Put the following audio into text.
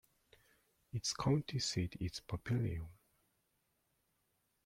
Its county seat is Papillion.